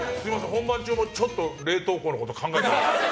本番中もちょっと冷凍庫のこと考えて。